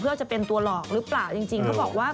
เพื่อจะเป็นตัวหลอกหรือเปล่าจริงเขาบอกว่า